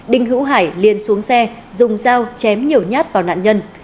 đinh hữu hải liền xuống xe dùng dao chém nhiều nhát vào nạn nhân